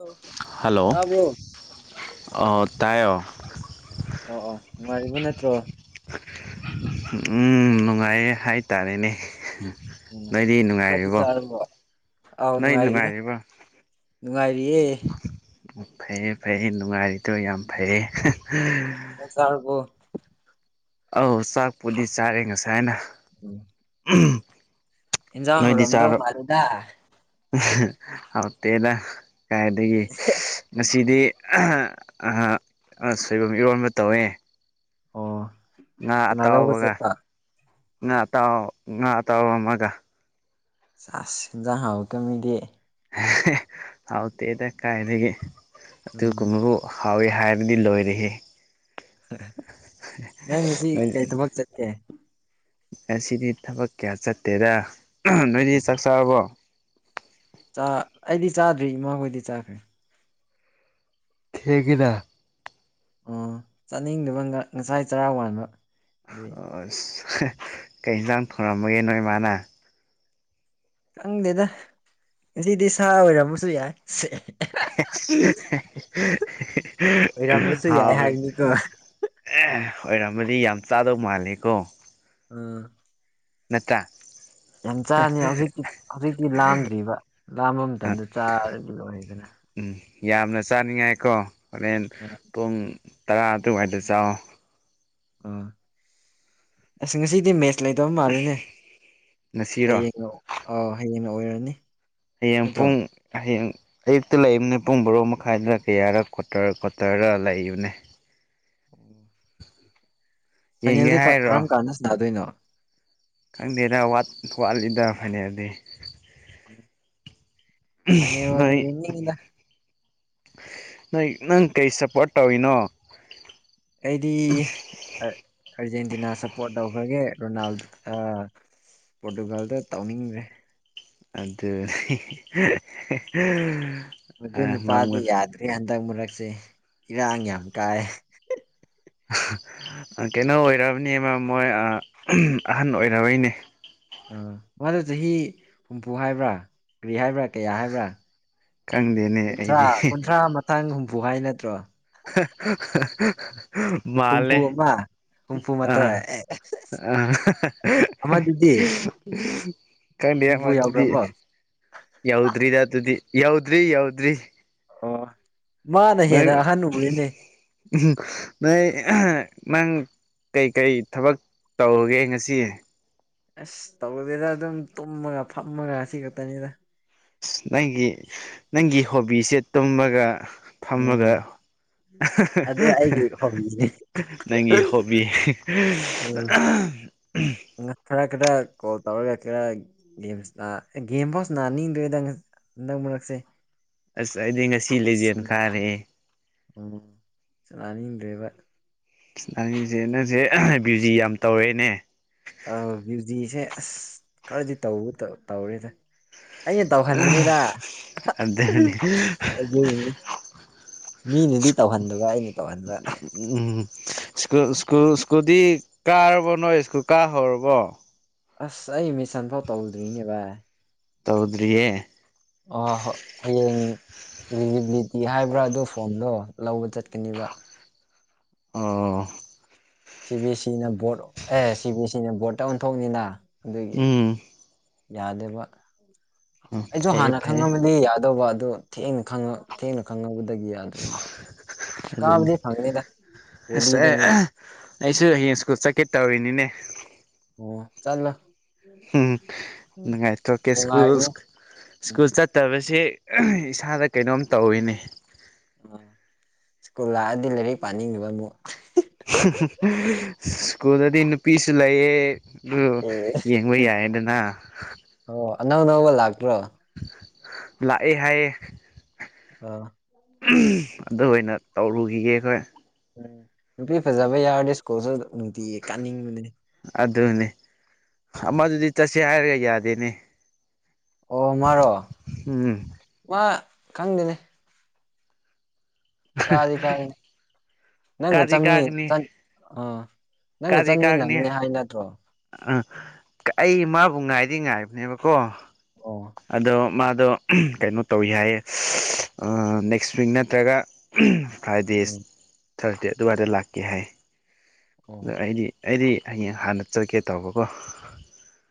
ꯑꯧ ꯍꯜꯂꯣ ꯇꯥꯕ꯭ꯔꯣ ꯇꯥꯏ ꯑꯣ ꯑꯣ ꯑꯣ ꯅꯨꯡꯉꯥꯏꯔꯤꯕ ꯅꯠꯇ꯭ꯔꯣ ꯎꯝ ꯅꯨꯡꯉꯥꯏꯌꯦ ꯍꯥꯏꯇꯥꯔꯦꯅꯦ ꯎꯝ ꯅꯣꯏꯗꯤ ꯆꯥꯛꯇꯤ ꯅꯨꯡꯉꯥꯏꯔꯤꯕꯣ ꯆꯥꯔꯕꯣ ꯑꯥꯎ ꯅꯣꯏ ꯅꯨꯡꯉꯥꯏꯔꯤꯗ ꯅꯨꯡꯉꯥꯏꯔꯤꯕꯣ ꯅꯨꯡꯉꯥꯏꯔꯤꯌꯦ ꯐꯩꯌꯦ ꯐꯩꯌꯦ ꯅꯨꯡꯉꯥꯏꯔꯤꯗꯣ ꯌꯥꯝ ꯐꯩꯌꯦ ꯆꯥꯛ ꯆꯔꯕꯨ ꯑꯧ ꯆꯥꯛꯄꯨꯗꯤ ꯆꯥꯔꯦ ꯉꯁꯥꯏꯅ ꯎꯝ ꯎꯝ ꯏꯟꯖꯥꯡ ꯍꯧꯔꯝꯗꯧ ꯃꯥꯜꯂꯤꯗ ꯍꯧ ꯇꯦꯗ ꯀꯥꯏꯗꯗꯒꯤ ꯉꯁꯤꯗꯤ ꯑ ꯍ ꯁꯣꯏꯕꯨꯝ ꯏꯔꯣꯟꯕ ꯇꯧꯋꯦ ꯑꯣ ꯉꯥ ꯀꯅꯥ ꯂꯧꯕ ꯑꯇꯥꯎꯕꯒ ꯆꯠꯄ ꯉꯥ ꯑꯇꯥꯎ ꯉꯥ ꯑꯇꯥꯎꯕ ꯑꯃꯒ ꯑꯁ ꯍꯤꯛꯗꯥꯛ ꯍꯥꯎꯇ ꯃꯤꯗꯤ ꯍꯥꯎ ꯇꯦꯗ ꯀꯥꯏꯗꯒꯤ ꯎꯝ ꯑꯗꯨꯒꯨꯝꯀꯃꯨ ꯍꯥꯎꯏ ꯍꯥꯏꯔꯗꯤ ꯂꯣꯏꯔꯦꯍꯦ ꯅꯪ ꯉꯁꯤ ꯀꯩ ꯊꯕꯛ ꯆꯠꯀꯦ ꯑꯁꯤꯗꯤ ꯊꯕꯛ ꯀꯌꯥ ꯆꯠꯇꯦꯗ ꯅꯣꯏꯗꯤ ꯆꯥꯛ ꯆꯥꯔꯕꯣ ꯆꯥ ꯑꯩꯗꯤ ꯆꯥꯗ꯭ꯔꯤ ꯏꯃꯥ ꯍꯣꯏꯗꯤ ꯆꯥꯈ꯭ꯔꯦ ꯊꯦꯡꯉꯤꯅ ꯑꯣ ꯆꯥꯅꯤꯡꯗꯕ ꯉꯁꯥꯏ ꯆꯔꯥ ꯋꯥꯟꯥꯟꯕ ꯑꯗꯨꯏ ꯑꯁ ꯀꯩ ꯌꯦꯟꯁꯥꯡ ꯊꯣꯉꯝꯃꯒꯦ ꯅꯣꯏ ꯃꯥꯅ ꯈꯪꯗꯦꯗ ꯉꯁꯤꯗꯤ ꯁꯥ ꯑꯣꯏꯔꯝꯕꯁꯨ ꯌꯥꯏ ꯁꯦ ꯑꯣꯏꯔꯝꯕꯁꯨ ꯌꯥꯏ ꯍꯥꯏꯕꯅꯤꯀꯣ ꯑꯦ ꯑꯣꯏꯔꯝꯃꯗꯤ ꯌꯥꯝ ꯆꯥꯗꯧ ꯃꯥꯜꯂꯦ ꯀꯣ ꯑ ꯅꯠꯇꯦ ꯌꯥꯝ ꯆꯥꯅꯤ ꯍꯧꯖꯤꯛꯤ ꯍꯧꯖꯤꯛꯇꯤ ꯂꯥꯝꯗ꯭ꯔꯤꯕ ꯂꯥꯝꯕ ꯃꯇꯝꯗ ꯆꯥꯔꯒ ꯂꯣꯏꯔꯦꯗꯅ ꯎꯝ ꯌꯥꯝꯅ ꯆꯥꯅꯤꯡꯉꯥꯏꯀꯣ ꯍꯣꯔꯦꯟ ꯑꯥ ꯄꯨꯡ ꯇꯔꯥ ꯑꯗꯨꯋꯥꯏꯗ ꯆꯥꯎꯑꯣ ꯑꯥ ꯑꯁ ꯉꯁꯤꯗꯤ ꯃꯦꯁ ꯂꯩꯇꯕ ꯃꯥꯜꯂꯤꯅꯦ ꯉꯁꯤꯔꯣ ꯍꯌꯦꯡꯅ ꯑꯥꯎ ꯍꯌꯦꯡꯅ ꯑꯣꯏꯔꯅꯤ ꯍꯌꯦꯡ ꯅꯠꯇ꯭ꯔꯣ ꯄꯨꯡ ꯍꯌꯦꯡ ꯑꯌꯨꯛꯇ ꯂꯩꯕꯅꯦ ꯄꯨꯡ ꯕꯥꯔꯣ ꯃꯈꯥꯏꯗ ꯀꯌꯥꯔꯥ ꯀ꯭ꯋꯥꯇꯔ ꯀ꯭ꯋꯥꯇꯔꯔ ꯂꯩꯕꯅꯦ ꯌꯦꯡꯒꯦ ꯐꯥꯏꯅꯦꯜꯗꯤ ꯀ ꯍꯥꯏꯔꯣ ꯀꯔꯝ ꯀꯥꯟꯗ ꯁꯥꯟꯅꯗꯣꯏꯅꯣ ꯈꯪꯗꯦꯗ ꯋꯥꯠ ꯋꯥꯠꯂꯤꯗ ꯐꯥꯏꯅꯦꯜꯗꯤ ꯐꯥꯏꯅꯦꯜ ꯑꯣꯏꯅ ꯅꯣꯏ ꯌꯦꯡꯅꯤꯡꯉꯤꯗ ꯅꯣꯏ ꯅꯪ ꯀꯔꯤ ꯁꯞꯄꯣꯔꯠ ꯇꯧꯔꯤꯅꯣ ꯑꯩꯗꯤ ꯑ ꯑꯔꯖꯦꯟꯇꯤꯅꯥ ꯁꯞꯄꯣꯔꯠ ꯇꯧꯈ꯭ꯔꯒꯦ ꯔꯣꯅꯥꯜꯗꯣ ꯑ ꯄꯣꯔꯇꯨꯒꯜꯗꯣ ꯇꯧꯅꯤꯡꯗ꯭ꯔꯦ ꯑꯗꯨ [unintelligible] ꯃꯗꯨ ꯅꯨꯄꯥꯗꯨ ꯉꯝꯒꯅꯤ ꯌꯥꯗ꯭ꯔꯦ ꯍꯟꯗꯛ ꯃꯔꯛꯁꯦ ꯏꯔꯥꯡ ꯌꯥꯝ ꯀꯥꯏ ꯑ ꯀꯩꯅꯣ ꯑꯣꯏꯔꯕꯅꯦ ꯃ ꯃꯣꯏ ꯑ ꯑꯍꯟ ꯑꯣꯏꯔꯕꯩꯅꯦ ꯑ ꯃꯥꯗꯣ ꯆꯍꯤ ꯍꯨꯝꯐꯨ ꯍꯥꯏꯕ꯭ꯔꯥ ꯀ꯭ꯔꯤ ꯍꯥꯏꯕ꯭ꯔꯥ ꯀꯌꯥ ꯍꯥꯏꯕ꯭ꯔꯥ ꯈꯪꯗꯦꯅꯦ ꯀꯨꯟꯊ꯭ꯔꯥ ꯑꯩꯗꯤ ꯀꯨꯟꯊ꯭ꯔꯥ ꯃꯊꯪ ꯍꯨꯝꯐꯨ ꯍꯥꯏ ꯅꯠꯇ꯭ꯔꯣ [unintelligible] ꯍꯨꯝꯐꯨ ꯑꯃ ꯍꯨꯝꯐꯨ ꯑꯥ ꯃꯥꯊꯣꯏ ꯑꯦ ꯑꯥ ꯑꯃꯗꯨꯗꯤ [unintelligible] ꯈꯪꯗꯦ ꯍꯨꯝꯐꯨ ꯃꯗꯨꯗꯤ ꯌꯥꯎꯈ꯭ꯔꯕꯣ ꯌꯧꯗ꯭ꯔꯤꯗ ꯑꯗꯨꯗꯤ ꯌꯧꯗ꯭ꯔꯤ ꯌꯧꯗ꯭ꯔꯤ ꯑꯣ ꯃꯥꯅ ꯅꯣꯏ ꯍꯦꯟꯅ ꯑꯍꯟ ꯎꯔꯦꯅꯦ ꯅꯣꯏ [unintelligible] ꯅꯪ ꯀꯩ ꯀꯩ ꯊꯕꯛ ꯇꯧꯒꯦ ꯉꯁꯤ ꯑꯁ ꯇꯧꯗꯦꯗ ꯑꯗꯨꯝ ꯇꯨꯝꯃꯒ ꯐꯝꯃꯒ ꯑꯁꯤ ꯈꯛꯇꯅꯤꯗ ꯑꯁ ꯅꯪꯒꯤ ꯅꯪꯒꯤ ꯍꯣꯕꯤꯁꯦ ꯇꯨꯝꯃꯒ ꯎꯝ ꯐꯝꯃꯒ ꯑꯗꯨ ꯑꯩꯒꯤ ꯍꯣꯕꯤꯅꯦ [unintelligible] ꯅꯪꯒꯤ ꯍꯣꯕꯤ [unintelligible] ꯅꯪ ꯈꯔ ꯈꯔ ꯀꯣꯜ ꯇꯧꯔꯒ ꯈꯔ ꯒꯦꯝꯁꯥꯟꯅ ꯒꯦꯝꯐꯥꯎ ꯁꯥꯟꯅꯅꯤꯡꯗ꯭ꯔꯦꯗ ꯉ ꯍꯟꯗꯛ ꯃꯔꯛꯁꯦ ꯑꯁ ꯑꯩꯗꯤ ꯉꯁꯤ ꯑꯁ ꯂꯤꯖꯦꯟ ꯅꯨꯡꯉꯥꯏꯇꯦ ꯀꯥꯔꯦꯍꯦ ꯎꯝ ꯁꯥꯅꯅꯤꯡꯗ꯭ꯔꯦꯕ ꯅꯪꯖꯦ ꯅꯪꯖꯦ [unintelligible] ꯕ꯭ꯌꯨꯖꯤ ꯌꯥꯝ ꯇꯧꯔꯦꯅꯦ ꯑ ꯕ꯭ꯌꯨꯖꯤꯁꯦ ꯑꯁ ꯈꯔꯗꯤ ꯇꯧ ꯇꯧ ꯇꯧꯔꯦꯗ ꯑꯩꯅ ꯇꯧꯍꯟꯕꯅꯤꯗ ꯑꯗꯨꯅꯤ ꯑꯗꯨꯒꯤꯅꯤ ꯃꯤꯅꯗꯤ ꯇꯧꯍꯟꯗꯕ ꯑꯩꯅ ꯇꯧꯍꯟꯕ ꯎꯝ ꯁ꯭ꯀꯨꯜ ꯁ꯭ꯀꯨꯜ ꯁ꯭ꯀꯨꯜꯗꯤ ꯀꯥꯔꯕꯣ ꯅꯣꯏ ꯁ꯭ꯀꯨꯜ ꯀꯥ ꯍꯧꯔꯕꯣ ꯑꯁ ꯑꯩ ꯃꯤꯁꯟꯐꯥꯎ ꯇꯧꯗ꯭ꯔꯤꯅꯦ ꯕꯥꯢ ꯇꯧꯗ꯭ꯔꯤꯌꯦ ꯑꯣ ꯍꯣ ꯍꯌꯦꯡ ꯏꯂꯤꯖꯤꯕꯤꯂꯤꯇꯤ ꯍꯥꯏꯕ꯭ꯔꯥ ꯑꯗꯨ ꯐꯣꯝꯗꯣ ꯂꯧꯕ ꯆꯠꯀꯅꯤꯕ ꯑꯣ ꯁꯤ ꯕꯤ ꯌꯦ ꯁꯤꯅ ꯕꯣꯔꯠ ꯑꯦ ꯁꯤ ꯕꯤ ꯌꯦ ꯁꯤꯅ ꯕꯣꯔꯠꯇ ꯑꯣꯟꯊꯣꯛꯅꯤꯅ ꯑꯗꯨꯒꯤ ꯎꯝ ꯌꯥꯗꯦꯕ ꯑꯩꯖꯨ ꯐꯩꯌꯦ ꯍꯥꯟꯅ ꯐꯩꯌꯦ ꯈꯪꯉꯝꯕꯗꯤ ꯌꯥꯗꯧꯕ ꯑꯗꯨ ꯊꯦꯡꯅ ꯈꯪꯉ ꯊꯦꯡꯅ ꯈꯪꯉꯛꯕꯗꯒꯤ ꯌꯥ ꯗꯔ꯭ꯤꯅꯦ ꯑꯗꯨꯅꯤ ꯀꯥꯕꯗꯤ ꯐꯪꯅꯤꯗ ꯑꯁ ꯔꯦꯗꯤꯗꯅꯤꯗ ꯑꯩꯁꯨ ꯍꯌꯦꯡ ꯁ꯭ꯀꯨꯜ ꯆꯛꯀꯦ ꯇꯧꯔꯤꯅꯤꯅꯦ ꯑꯣ ꯆꯠꯂꯣ ꯍꯨꯝ ꯅꯨꯉꯥꯏꯊꯣꯛꯀꯦ ꯁ꯭ꯀꯨꯜ ꯅꯨꯡꯉꯥꯏꯕꯅꯤ ꯁ꯭ꯀꯨꯜ ꯎꯝ ꯆꯠ ꯇꯕꯁꯦ ꯏꯁꯥꯗ ꯀꯩꯅꯣꯝ ꯇꯧꯋꯤꯅꯦ ꯑꯥ ꯁ꯭ꯀꯨꯜ ꯂꯥꯑꯗꯤ ꯂꯩꯔꯤꯛ ꯄꯥꯅꯤꯡꯉꯤꯕ ꯃꯨꯛ ꯁ꯭ꯀꯨꯜꯗꯗꯤ ꯅꯨꯄꯤꯁꯨ ꯂꯩꯌꯦ ꯗꯨ ꯑꯦ ꯌꯦꯡꯕ ꯌꯥꯏꯌꯦꯗꯅ ꯑꯣ ꯑꯉꯥꯡ ꯑꯅꯧꯕ ꯂꯥꯛꯇ꯭ꯔꯣ ꯂꯥꯑꯦ ꯍꯥꯏꯌꯦ ꯑ ꯑꯗꯨ ꯑꯣꯏꯅ ꯇꯧꯔꯨꯒꯤꯒꯦ ꯑꯈꯣꯏ ꯎꯝ ꯅꯨꯄꯤ ꯐꯖꯕ ꯌꯥꯎꯔꯗꯤ ꯁ꯭ꯀꯨꯜꯖꯨ ꯅꯨꯡꯇꯤꯒꯤ ꯀꯥꯅꯤꯡꯕꯅꯦ ꯑꯗꯨꯅꯦ ꯎꯝ ꯑꯃꯗꯨꯗꯤ ꯆꯠꯁꯦ ꯍꯥꯏꯔ ꯌꯥꯗꯦꯅꯦ ꯑꯣ ꯃꯥꯔꯣ ꯎꯝ ꯃꯥ ꯈꯪꯗꯦꯅꯦ ꯀꯥꯗꯤ ꯀꯥꯕꯅꯤ ꯅꯪꯒ ꯀꯥꯗꯤ ꯆꯞꯃꯤꯅꯤ ꯀꯥꯒꯅꯤ ꯆꯠ ꯑꯥ ꯀꯥꯗꯤ ꯀꯥꯒꯅꯤ ꯑꯩ ꯅꯠꯇꯔꯣ ꯑ ꯀ ꯑꯩ ꯃꯥꯕꯨ ꯉꯥꯏꯗꯤ ꯉꯥꯏꯕꯅꯦꯕꯀꯣ ꯑꯣ ꯑꯗꯣ ꯃꯥꯗꯣ ꯀꯩꯅꯣ ꯇꯧꯋꯤ ꯍꯥꯏꯌꯦ ꯑꯥ ꯅꯦꯛ꯭ꯁ ꯋꯤꯛ ꯅꯠꯇ꯭ꯔꯒ ꯐ꯭ꯔꯥꯏꯗꯦꯁ ꯎꯝ ꯊꯔ꯭ꯁꯗꯦ ꯑꯗꯨꯋꯥꯏꯗ ꯂꯥꯛꯀꯦ ꯍꯥꯏ ꯑꯣ ꯑꯗ ꯑꯩꯗꯤ ꯑꯩꯗꯤ ꯍꯌꯦꯡ ꯍꯥꯟꯅ ꯆꯠꯀꯦ ꯇꯧꯕꯀꯣ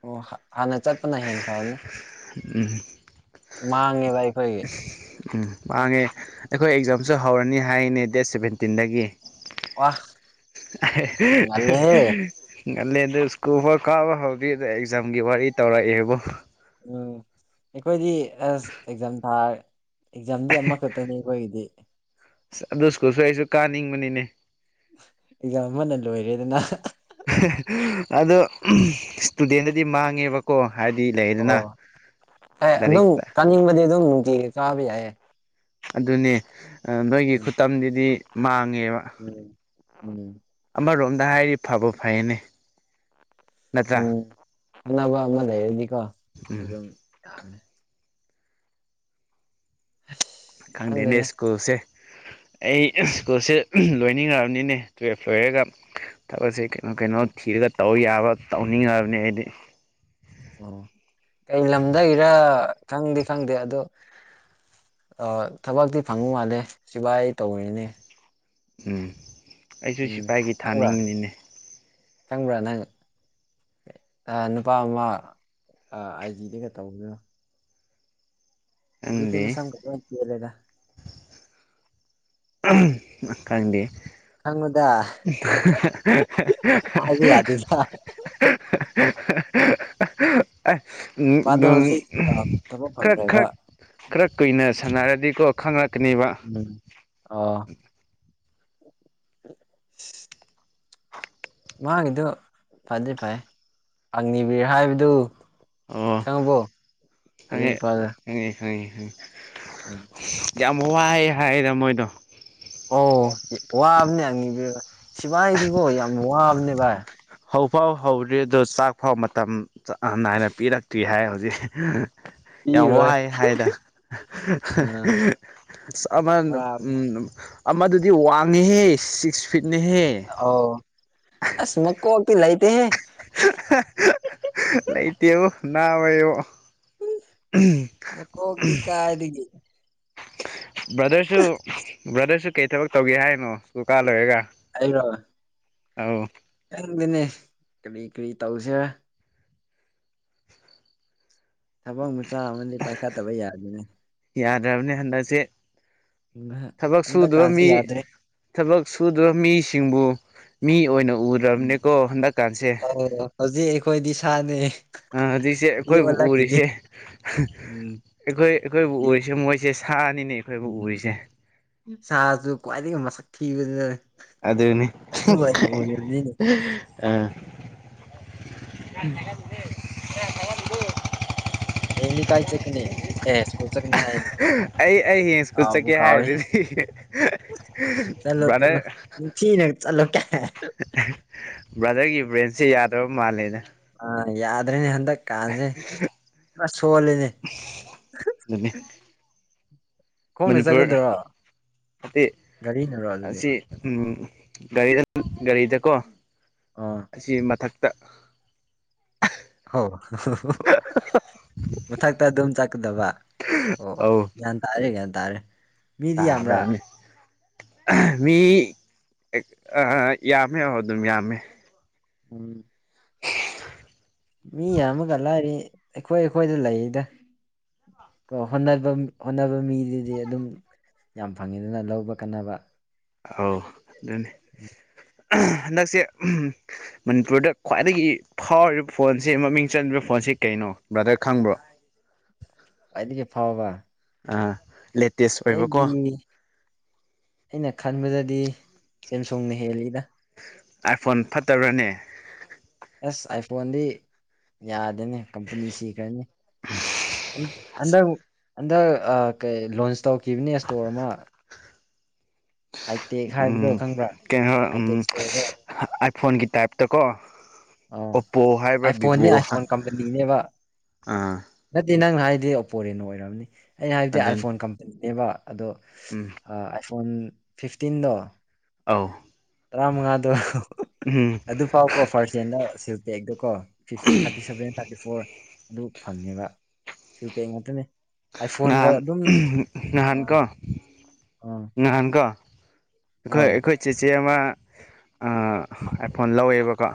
ꯑꯣ ꯍꯥ ꯍꯥꯟꯅ ꯆꯠꯄꯅ ꯍꯦꯟ ꯐꯕꯅꯤ ꯎꯝ ꯃꯥꯡꯉꯦꯕ ꯑꯩꯈꯣꯏꯒꯤ ꯎꯝ ꯃꯥꯡꯉꯦ ꯑꯩꯈꯣꯏ ꯑꯦꯛꯖꯥꯝꯁꯨ ꯍꯧꯔꯅꯤ ꯍꯥꯏꯌꯦꯅꯦ ꯗꯦꯠ ꯁꯚꯦꯟꯇꯤꯟꯗꯒꯤ ꯋꯥ ꯉꯜꯂꯦꯍꯦ [unintelligible] ꯉꯜꯂꯦ ꯑꯗꯨ ꯁ꯭ꯀꯨꯜ ꯐꯥꯎ ꯀꯥꯕ ꯍꯧꯗꯤꯗ ꯑꯦꯖꯥꯝꯒꯤ ꯋꯥꯔꯤ ꯇꯧꯔꯑꯦꯕꫭ ꯎꯝ ꯑꯩꯈꯣꯏꯗꯤ ꯑꯁ ꯑꯦꯛꯖꯥꯝ ꯊꯥ ꯑꯦꯛꯖꯥꯝꯗꯤ ꯑꯃꯈꯛꯇꯅꯤ ꯈꫭꯏꯒꯤꯗꯤ ꯁ ꯑꯗꯨ ꯁ꯭ꯀꯨꯜꯁꯨ ꯑꯩꯁꯨ ꯀꯥꯅꯤꯡꯕꯅꯤꯅꯦ ꯑꯦꯛꯖꯥꯝ ꯑꯃꯅ ꯂꯣꯏꯔꯦꯗꯅ ꯑꯗꯣ ꯎꯝ ꯏꯁꯇꯨꯗꯦꯟꯗꯗꯤ ꯃꯥꯡꯉꯦꯕ ꯀꯣ ꯍꯥꯏꯗꯤ ꯂꯩꯗꯅ ꯂꯥꯏꯔꯤꯛꯇ ꯆꯥꯅꯤꯡꯕꯗꯤ ꯑꯗꯨꯝ ꯅꯨꯡꯇꯤꯒꯤ ꯀꯥꯕ ꯌꯥꯏꯌꯦ ꯑꯗꯨꯅꯦ ꯅꯣꯏꯒꯤ ꯎꯝ ꯈꯨꯠꯇꯝꯗꯨꯗꯤ ꯃꯥꯡꯉꯦꯕ ꯎꯝ ꯎꯝ ꯑꯃꯔꯣꯝꯗ ꯍꯥꯏꯔꯗꯤ ꯐꯕꯨ ꯐꯩꯌꯦꯅꯦ ꯎꯝ ꯈꯪꯅꯕ ꯑꯃ ꯂꯩꯔꯗꯤꯀꯣ ꯎꯝ ꯑꯗꯨꯝ ꯌꯥꯕꯅꯦ ꯑꯁ ꯈꯪꯗꯦꯅꯦ ꯁ꯭ꯀꯨꯜꯁꯦ ꯑꯩ ꯁ꯭ꯀꯨꯜꯁꯦ ꯂꯣꯏꯅꯤꯡꯉꯛꯑꯕꯅꯤꯅꯦ ꯇ꯭ꯌꯦꯜꯐ ꯂꯣꯏꯔꯒ ꯊꯕꯛꯁꯦ ꯀꯩꯅꯣ ꯀꯩꯅꯣ ꯊꯤꯔꯒ ꯇꯧ ꯌꯥꯕ ꯇꯧꯅꯤꯡꯉꯤꯑꯕꯅꯦ ꯑꯩꯗꯤ ꯑꯣ ꯀꯩ ꯂꯝꯗꯒꯤꯔ ꯈꯪꯗꯤ ꯈꯪꯗꯦ ꯑꯗꫭ ꯑ ꯊꯕꯛꯇꯤ ꯐꯪꯕ ꯃꯥꯜꯂꯦ ꯁꯤꯕꯥꯏ ꯇꯧꯔꯤꯅꯦ ꯎꯝ ꯑꯩꯁꯨ ꯎꯝ ꯁꯤꯐꯥꯏꯒꯤ ꯈꯪꯕ꯭ꯔꯥ ꯊꯥꯅꯤꯡꯉꯤꯅꯤꯅꯦ ꯈꯪꯕ꯭ꯔꯥ ꯅꯪ ꯑ ꯅꯨꯄꯥ ꯑꯃ ꯑꯥꯏ ꯖꯤꯗꯒ ꯇꯧꯕꯗꯨ ꯍꯧꯖꯤꯛꯇꯤ ꯈꯪꯗꯦ ꯃꯁꯝꯀ ꯂꫭꯏ ꯇꯦꯜꯂꯦꯗ ꯈꯪꯗꯦ ꯈꯪꯉꯨꯗ [unintelligible] ꯍꯥꯏꯕ ꯌꯥꯗꯦꯗ [unintelligible] ꯑ ꯃꯥꯗꯣ ꯍꯧꯖꯤꯛ ꯑꯥ ꯊꯕꯛ [unintelligible] ꯈ꯭ꯔꯛ ꯐꯪꯈ꯭ꯔꯦꯕ ꯈ꯭ꯔꯛ ꯈꯔ ꯀꯨꯏꯅ ꯁꯥꯟꯅꯔꯗꯤꯀꯣ ꯈꯪꯂꯛꯀꯅꯦꯕ ꯎꯝ ꯑꯣ ꯃꯥꯒꯤꯗꯨ ꯐꯗꯤ ꯐꯩꯌꯦ ꯑꯛꯅꯤꯕꯤꯔ ꯍꯥꯏꯕꯗꯨ ꯑꯣ ꯈꯪꯉꯕꯣ ꯑꯗꯨꯢ ꯈꯪꯉꯦ ꯅꯨꯄꯥꯗꯨ ꯈꯪꯉꯦ ꯈꯪꯉꯦ ꯈꯪꯉꯦ [inaudible] ꯌꯥꯝ ꯋꯥꯏꯌꯦ ꯍꯥꯏꯗ ꯃꯣꯏꯗꯣ꯫ ꯑꯣ ꯋꯥꯕꯅꯦ ꯑꯛꯅꯤꯕꯤꯔ ꯁꯤꯚꯥꯏꯒꯤꯗꯤꯀꯣ ꯌꯥꯝ ꯋꯥꯕꯅꯦ ꯚꯥꯏ꯫ ꯍꯧꯐꯥꯎ ꯍꯧꯗ꯭ꯔꯤ ꯑꯗꯣ ꯆꯥꯛ ꯐꯥꯎ ꯃꯇꯝ ꯆꯥꯡ ꯅꯥꯏꯅ ꯄꯤꯔꯛꯇ꯭ꯔꯤ ꯍꯥꯏ ꯍꯧꯖꯤꯛ꯫ ꯌꯥꯝ ꯄꯤꯔꯣꯏ ꯋꯥꯢꯌꯦ ꯍꯥꯏꯗ꯫ ꯎꯝ ꯑꯁ ꯑꯃ ꯋꯥꯕꯅꯦ ꯎꯝ ꯑꯃꯗꯨꯗꯤ ꯋꯥꯡꯉꯦꯍꯦ ꯁꯤꯛꯁ ꯐꯤꯠꯅꯤꯍꯦ꯫ ꯑꯧ ꯑꯁ ꯃꯀꯣꯛꯇꯤ ꯂꯩꯇꯦꯍꯦ꯫ ꯂꯩꯇꯦꯕꯨ ꯅꯥꯕ ꯏꯕꯣ꯫ ꯃꯀꯣꯛꯇꯤ ꯀꯥꯏꯗꯒꯤ꯫ ꯕ꯭ꯔꯗꯔꯁꯨ ꯕ꯭ꯔꯗꯔꯁꯨ ꯀꯩ ꯊꯕꯛ ꯇꯧꯒꯦ ꯍꯥꯏꯔꯤꯅꯣ ꯁꯀ꯭ꯨꯜ ꯀꯥ ꯂꯣꯏꯔꯒ꯫ ꯑꯩꯔꯣ꯫ ꯑꯧ꯫ ꯈꯪꯗꯦꯅꯦ ꯀꯔꯤ ꯀ꯭ꯔꯤ ꯇꯧꯁꯤꯔ꯫ ꯊꯕꯛ ꯃꯆꯥ ꯑꯃꯗꯤ ꯄꯥꯏꯈꯠꯇꯕ ꯌꯥꯗꯦꯅꯦ꯫ ꯌꯥꯗ꯭ꯔꯕꯅꯦ ꯍꯟꯗꯛꯁꯦ ꯊꯕꯛ ꯍꯟꯗꯛ ꯁꯨꯗꯕ ꯀꯥꯟꯁꯦ ꯃꯤ ꯌꯥꯗ꯭ꯔꯦ ꯊꯕꯛ ꯁꯨꯗ꯭ꯔ ꯃꯤꯁꯤꯡꯕꯨ ꯃꯤ ꯑꯣꯏꯅ ꯎꯝ ꯎꯗ꯭ꯔꯕꯅꯦꯀꯣ ꯍꯟꯗꯛꯀꯥꯟꯁꯦ꯫ ꯑꯧ ꯍꯧꯖꯤꯛ ꯑꯩꯈꯣꯏꯗꯤ ꯁꯥꯅꯦ꯫ ꯍꯧꯖꯤꯛꯁꯦ ꯃꯤ ꯑꯩꯈꯣꯏꯕꯨ ꯑꯣꯜꯂꯛꯈꯤꯅꯤ ꯎꯔꯤꯁꯦ ꯎꯝ ꯑꯩꯈꯣꯏ ꯑꯩꯈꯣꯏꯕꯨ ꯌꯣ ꯎꯔꯤꯁꯦ ꯃꯣꯏꯁꯦ ꯁ ꯁꯥ ꯅꯤꯅꯦ ꯑꯩꯈꯣꯏꯕꯨ ꯎꯔꯤꯖꯦ ꯁꯥꯖꯨ ꯈ꯭ꯋꯥꯏꯗꯒꯤ ꯃꯁꯛ ꯊꯤꯕ [unintelligible] ꯑꯗꯨꯅꯤ ꯑꯥ [inaudible] ꯍꯌꯦꯡꯗꯤ ꯀꯥꯏ ꯆꯠꯀꯅꯤ ꯑꯦꯁ꯫ ꯑꯩ ꯑꯩ ꯍꯌꯦꯡ ꯁꯀ꯭ꯨꯜ ꯀꯥꯎꯕꯨ ꯆꯠꯀꯦ ꯀꯥꯎꯔꯦꯍꯦ ꯍꯥꯏꯔꯤꯗꯨꯗꯤ꯫ ꯆꯠꯂꯣ ꯆꯠꯂꯣ ꯕꯔ꯭ꯗꯔ ꯅꯤꯡꯊꯤꯅ ꯆꯠꯂꯨ ꯀꯥꯏꯅ꯫ ꯕ꯭ꯔꯥꯗꯔꯒꯤ ꯕ꯭ꯔꯦꯟꯁꯦ ꯌꯥꯗꯕ ꯃꯥꯜꯂꯦꯗ ꯑꯥ ꯌꯥꯗ꯭ꯔꯦꯅꯦ ꯍꯟꯗꯛ ꯀꯥꯟꯁꯦ ꯄꯨꯔ ꯁꯣꯜꯂꯤꯅꯦ꯫ ꯗꯨꯅꯦ꯫ ꯈꯣꯡꯅ ꯃꯅꯤꯄꯨꯔ ꯆꯠꯀꯗ꯭ꯔꯣ ꯍꯥꯏꯗꯤ ꯒꯥꯔꯤꯅꯔꯣ ꯑꯗꯨꯗꯤ ꯑꯁꯤ꯫ ꯎꯝ ꯒꯔꯤꯗ ꯒꯥꯔꯤꯗꯀꯣ꯫ ꯑꯣ ꯑꯁꯤ ꯃꯊꯛꯇ ꯍꯣ ꯃꯊꯛꯇ ꯑꯗꯨꯝ ꯆꯠꯀꯗꯕ ꯑꯣ ꯑꯣ ꯑꯧ ꯌꯥꯟ ꯇꯥꯔꯦ ꯒꯌ꯭ꯥꯟ ꯇꯥꯔꯦ꯫ ꯃꯤꯗꯤ ꯌꯥꯝꯕ꯭ꯔꯥ ꯇꯥꯗꯕꯅꯤ꯫ ꯃꯤ ꯑꯥ ꯌꯥꯝꯃꯦ ꯑꯣ ꯑꯗꯨꯝ ꯌꯥꯝꯃꯦ꯫ ꯎꯝ꯫ [inaudible] ꯃꯤ ꯌꯥꯝꯃꯒ ꯂꯥꯏꯔꯤ ꯑꯩꯈꯣꯏ ꯑꯩꯈꯣꯏꯗ ꯂꯩꯗꯥ ꯑꯣ ꯍꯣꯠꯅꯕꯝ ꯍꯣꯠꯅꯕ ꯃꯤꯗꯗꯤ ꯑꯗꯨꯝ꯫ ꯌꯥꯝ ꯐꯪꯉꯤꯗꯅ ꯂꯧꯕ ꯀꯥꯟꯅꯕ꯫ ꯑꯧ ꯑꯗꯨꯅꯤ ꯍꯟꯗꯛꯁꯦ ꯃꯅꯤꯄꯨꯔꯗ ꯈ꯭ꯋꯥꯏꯗꯒꯤ ꯐꯥꯎꯔꯤꯕ ꯐꯣꯟꯁꯤ ꯃꯃꯤꯡ ꯆꯂꯤꯕ ꯐꯣꯟꯁꯦ ꯀꯩꯅꯣ ꯕ꯭ꯔꯗꯔ ꯈꯪꯕ꯭ꯔꯣ꯫ ꯈ꯭ꯋꯥꯏꯗꯒꯤ ꯐꯥꯎꯕ꯫ ꯑ ꯂꯦꯠ ꯑꯩꯒꯤ ꯑꯩꯅ ꯈꯟꯕꯗꯗꯤ ꯁꯦꯝꯁꯨꯡꯅ ꯍꯦꯜꯂꯤꯗ꯫ ꯑꯥꯏꯐꯣꯟ ꯐꯠꯇꯕꯔ꯭ꯅꯦ꯫ ꯑꯁ ꯑꯥꯏꯐꯣꯟꯗꯤ ꯌꯥꯗꯦꯅꯦ ꯀꯝꯄꯅꯤ ꯁꯤꯈ꯭ꯔꯅꯤ꯫ ꯑꯟꯗꯛ ꯍꯟꯗꯛ ꯑ ꯀꯩ ꯂꯣꯟꯁ ꯇꯧꯈꯤꯕꯅꯦ ꯁꯇ꯭ꯣꯔ ꯑꯃ ꯑꯥꯏꯇꯦꯛ ꯍꯥꯏꯕꯗꯣ ꯎꯝ ꯈꯪꯕ꯭ꯔꯥ ꯀꯅꯣ ꯎꯝ ꯑꯥꯏꯇꯦꯛ ꯏꯁꯇꯣꯔꯗꯣ ꯑꯥꯏ ꯐꯣꯟꯒꯤ ꯇꯥꯏꯞ ꯇꯀꯣ꯫ ꯑꯥ ꯑꯣꯞꯄꯣ ꯍꯥꯏꯕ꯭ꯔ ꯑꯥꯏꯐꯣꯟꯅꯦ ꯚꯤꯚꯣ ꯍꯥꯏ ꯑꯥꯏꯐꯣꯟ ꯀꯝꯄꯅꯤꯅꯦꯕ ꯑ ꯅꯠꯇꯦ ꯅꯪꯅ ꯍꯥꯏꯕꯗꯤ ꯑꯣꯞꯄꯣꯔꯦꯅꯣ ꯑꯣꯏꯔꯝꯅꯤ ꯑꯩꯅ ꯍꯥꯏꯕꯗꯤ ꯑꯗꯨꯅꯤ ꯑꯥꯏꯐꯣꯟ ꯀꯝꯄꯦꯅꯤꯅꯦꯕ ꯑꯗꯣ ꯎꯝ ꯑ ꯑꯥꯏꯐꯣꯟ ꯐꯤꯐꯇꯤꯟꯗꯣ ꯑꯧ ꯇꯔꯥꯃꯉꯥꯗꯣ ꯎꯝ ꯑꯗꯨ ꯐꯥꯎꯕ ꯐꯔꯁꯠꯂꯦꯟꯗ ꯁꯤꯜ ꯄꯦꯛꯇ ꯀꯣ ꯐꯤꯐ ꯊꯥꯔꯇꯤ ꯁꯚꯦꯟ ꯊꯥꯔꯇꯤ ꯐꯣꯔ ꯑꯗꯨ ꯐꯪꯉꯦꯕ ꯁꯤꯜ ꯄꯦꯛ ꯉꯠꯇꯅꯦ ꯑꯥꯏꯐꯣꯟꯒ ꯅꯍꯥꯟ ꯑꯗꯨꯝ ꯑꯥ ꯑ ꯅꯍꯥꯟꯀꯣ ꯑꯩꯈꯣꯏ ꯑꯩꯈꯣꯏ ꯆꯦꯆꯦ ꯑꯃ ꯑ ꯑꯥꯏꯐꯣꯟ ꯂꯧꯋꯦꯕꯀꯣ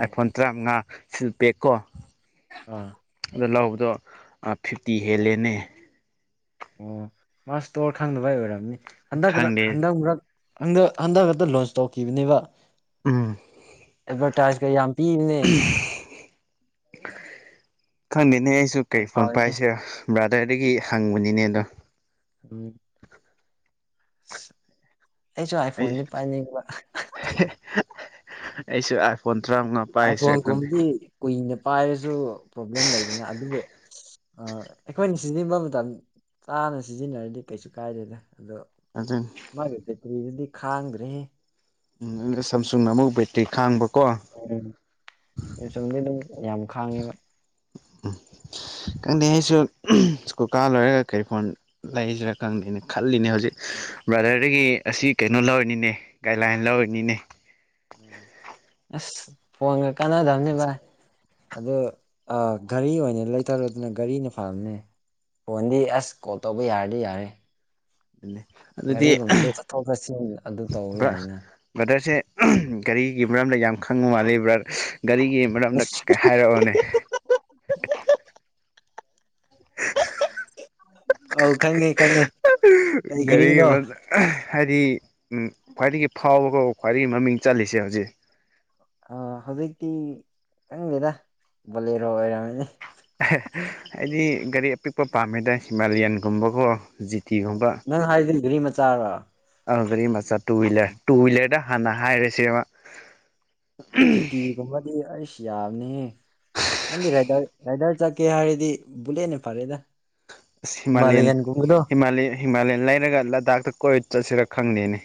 ꯑꯥ ꯑꯥꯏꯐꯣꯟ ꯇꯔꯥꯃꯉꯥ ꯁꯤꯜꯄꯦꯛ ꯀꯣ ꯑꯥ ꯑꯗꯨ ꯂꯧꯕꯗꯣ ꯑ ꯐꯤꯐꯇꯤ ꯍꯦꯜꯂꯦꯅꯦ ꯑꯣ ꯃꯥ ꯁꯇ꯭ꯣꯔ ꯈꯪꯗꯕꯩ ꯑꯣꯏꯔꯝꯅꯤ ꯍꯟꯗꯛꯔꯛ ꯈꯪꯗꯦ ꯍꯟꯗꯛꯃꯔꯛ ꯍꯟꯗꯛ ꯍꯟꯗꯛ ꯈꯛꯇ ꯂꯣꯟꯁ ꯇꯧꯈꯤꯕꯅꯦꯕ ꯎꯝ ꯑꯦꯗꯚꯔꯇꯥꯏꯖ ꯀꯥ ꯌꯥꯝ ꯄꯤꯕꯅꯦ ꯈꯪꯗꯦꯅꯦ ꯑꯩꯁꯨ ꯌꯥꯝ ꯀꯔꯤ ꯐꯣꯟ ꯐꯕꯅꯦ ꯄꯥꯏꯁꯤꯔ ꯕ꯭ꯔꯥꯗꯔꯗꯒꯤ ꯍꯪꯕꯅꯤꯅꯦ ꯑꯗꯣ ꯎꯝ ꯑꯁ ꯑꯩꯁꯨ ꯑꯩ ꯑꯥꯏꯐꯣꯟꯗꯤ ꯄꯥꯏꯅꯤꯡꯕ ꯑꯩꯁꯨ ꯑꯥꯏꯐꯣꯟ ꯇꯔꯥꯃꯉꯥ ꯄꯥꯏꯁꯤꯔ ꯈꯪꯗꯦ ꯑꯥꯏꯐꯣꯟꯒꯨꯝꯕꯗꯤ ꯀꯨꯏꯅ ꯄꯥꯏꯔꯁꯨ ꯄ꯭ꯔꯣꯕ꯭ꯂꯦꯝ ꯂꯩꯗꯅ ꯑꯗꯨꯕꯨ ꯑ ꯑꯩꯈꯣꯏꯅ ꯁꯤꯖꯤꯟꯅꯕ ꯃꯇꯝ ꯆꯥꯅ ꯁꯤꯖꯤꯟꯅꯔꯗꯤ ꯀꯩꯁꯨ ꯀꯥꯏꯗꯦꯗ ꯑꯗꯣ ꯑꯗꯨꯅꯤ ꯃꯥꯒꯤ ꯕꯦꯇ꯭ꯔꯤꯗꯨꯗꯤ ꯈꯥꯡꯗ꯭ꯔꯦꯍꯦ ꯎꯝ ꯁꯥꯝꯁꯨꯡꯅ ꯑꯃꯨꯛ ꯕꯦꯇ꯭ꯔꯤ ꯈꯥꯡꯕꯀꯣ ꯎꯝ ꯁꯥꯝꯁꯪꯗꯤ ꯑꯗꯨꯝ ꯌꯥꯝ ꯈꯥꯡꯉꯦꯕ [unintelligible] ꯈꯪꯗꯦ ꯑꯩꯁꯨ ꯁ꯭ꯀꯨꯜ ꯀꯥ ꯂꯣꯏꯔꯒ ꯀꯔꯤ ꯐꯣꯟ ꯂꯩꯁꯤꯔꯥ ꯈꯪꯗꯦꯅꯦ ꯈꯜꯂꯤꯅꯦ ꯍꯧ ꯖꯤꯛ ꯕ꯭ꯔꯥꯗꯔꯗꯒꯤ ꯑꯁꯤ ꯀꯩꯅꯣ ꯂꯧꯔꯤꯅꯤꯅꯦ ꯒꯥꯏꯠꯂꯥꯏꯟ ꯂꯧꯔꯤꯅꯤꯅꯦ ꯑꯁ ꯐꯣꯟꯒ ꯀꯥꯟꯅꯗꯕꯅꯤ ꯚꯥꯏ ꯑꯗꯣ ꯑ ꯒꯥꯔꯤ ꯑꯣꯏꯅ ꯂꯩꯊꯔꯣꯗꯅꯥ ꯒꯥꯔꯤꯅ ꯐꯕꯅꯦ ꯐꯣꯟꯗꯤ ꯑꯁ ꯀꯣꯜ ꯇꯧꯕ ꯌꯥꯔꯗꯤ ꯌꯥꯔꯦ ꯑꯗꯨꯗꯤ ꯒꯥꯔꯤꯒꯨꯝꯕꯗꯤ ꯆꯠꯊꯣꯛ ꯆꯠꯁꯤꯟ ꯑꯗꯨ ꯇꯧꯕ ꯄꯨꯔꯥ ꯌꯥꯏꯅ ꯕ꯭ꯔꯗꯔꯁꯦ ꯒꯥꯔꯤꯒꯤ ꯃꯔꯝꯗ ꯌꯥꯝ ꯈꯪꯕ ꯃꯥꯜꯂꯤ ꯕ꯭ꯔ ꯒꯥꯔꯤꯒꯤ ꯃꯔꯝꯗ ꯍꯥꯏꯔꯛꯑꯣꯅꯦ ꯑꯧ ꯈꯪꯉꯦ ꯈꯪꯉꯦ ꯀꯩ ꯒꯥꯔꯤꯅꯣ ꯑꯥ ꯍꯥꯏꯗꯤ ꯈ꯭ꯋꯥꯏꯗꯒꯤ ꯐꯥꯎꯕꯒ ꯈ꯭ꯋꯥꯏꯗꯒꯤ ꯃꯃꯤꯡ ꯆꯠꯂꯤꯁꯤ ꯍꯧꯖꯤꯛ ꯑ ꯍꯧꯖꯤꯛꯇꯤ ꯈꯪꯗꯦꯗ ꯕꯣꯂꯦꯔꯣ ꯑꯣꯏꯔꯝꯃꯅꯤ ꯑꯩꯗꯤ ꯒꯥꯔꯤ ꯑꯄꯤꯛꯄ ꯄꯥꯝꯃꯤꯗ ꯍꯤꯃꯥꯂꯌꯥꯟꯒꯨꯝꯕꯀꯣ ꯖꯤꯠ ꯑꯣ ꯅꯪ ꯍꯥꯏꯖꯤ ꯒꯥꯔꯤ ꯃꯆꯥꯔꯣ ꯑ ꯒꯥꯔꯤ ꯃꯆꯥ ꯇꯨ ꯋꯤꯂꯔ ꯇꯨ ꯋꯤꯂꯔꯗ ꯍꯥꯟꯅ ꯍꯥꯏꯔꯁꯦꯕ ꯖꯤꯇꯤꯒꯨꯝꯕꯗꯤ ꯑꯩꯁ ꯌꯥꯝꯅꯤꯍꯦ ꯅꯪꯗꯤ ꯔꯥꯏꯗꯔ ꯔꯥꯏꯗꯔ ꯆꯠꯀꯦ ꯍꯥꯏꯔꯗꯤ ꯕꯨꯂꯦꯠꯅ ꯐꯔꯦꯗ ꯑꯁ ꯍꯤꯃꯥꯂꯤꯌꯟ ꯍꯤꯃꯥꯂꯌꯥꯟꯒꯨꯝꯕꯗꯣ ꯍꯤꯃꯥ ꯍꯤꯃꯥꯂꯤꯌꯟ ꯂꯩꯔꯒ ꯂꯗꯥꯛꯇ ꯀꯣꯏ ꯆꯠꯁꯤꯔꯥ ꯈꯪꯗꯦꯅꯦ